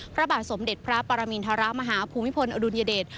พระบาทสมเด็จพระปรมินทรมาฮภูมิพลอดุลยเดช